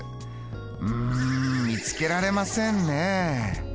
うん見つけられませんね。